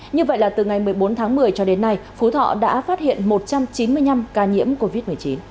như vậy là từ ngày một mươi bốn tháng một mươi cho đến nay phú thọ đã phát hiện một trăm chín mươi năm ca nhiễm covid một mươi chín